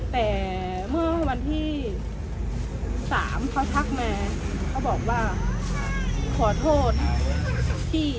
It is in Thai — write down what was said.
แต่เมื่อวันที่๓เขาทักมาเขาบอกว่าขอโทษที่